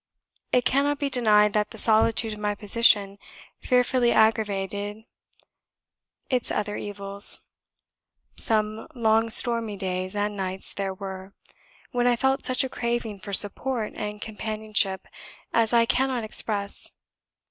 It cannot be denied that the solitude of my position fearfully aggravated its other evils. Some long stormy days and nights there were, when I felt such a craving for support and companionship as I cannot express.